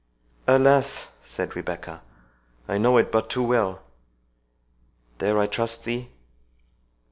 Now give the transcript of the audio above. "Alas!" said Rebecca, "I know it but too well—dare I trust thee?"